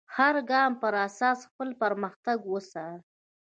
د هر ګام پر اساس خپل پرمختګ وڅارئ.